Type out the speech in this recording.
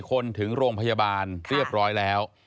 คนถึงโรงพยาบาลเรียบร้อยแล้ว